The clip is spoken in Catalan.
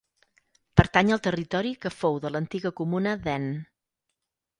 Pertany al territori que fou de l'antiga comuna d'En.